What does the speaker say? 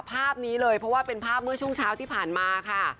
ภาพนี้เลยเพราะว่าเป็นภาพเมื่อช่วงเช้าที่ผ่านมาค่ะ